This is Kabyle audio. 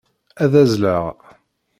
Ad azzleɣ.